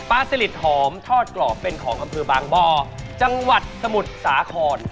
สลิดหอมทอดกรอบเป็นของอำเภอบางบ่อจังหวัดสมุทรสาคร